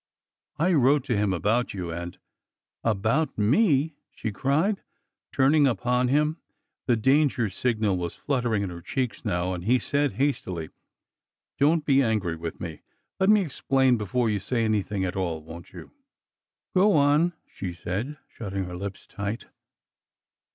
I wrote to him about you, and—" About me ?" she cried, turning upon him. The dan ger signal was fluttering in her cheeks now, and he said hastily :" Don't be angry with me ! Let me explain before you say anything at all, won't you ?" Go on," she said, shutting her lips tight.